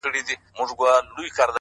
دا خواست د مړه وجود دی! داسي اسباب راکه!